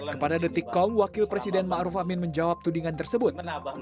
kepada detik kom wakil presiden ma'ruf amin menjawab tudingan tersebut